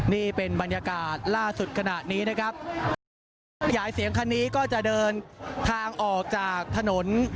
นี่เป็นบรรยากาศล่าสุดขณะนี้นะครับรถขยายเสียงคันนี้ก็จะเดินทางออกจากถนน